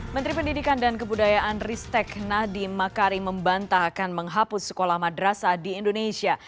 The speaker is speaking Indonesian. menteri pendidikan dan kebudayaan ristek nadiem makari membantah akan menghapus sekolah madrasah di indonesia